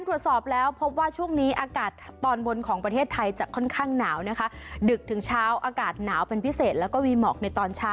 ตรวจสอบแล้วพบว่าช่วงนี้อากาศตอนบนของประเทศไทยจะค่อนข้างหนาวนะคะดึกถึงเช้าอากาศหนาวเป็นพิเศษแล้วก็มีหมอกในตอนเช้า